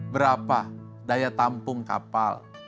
berapa daya tampung kapal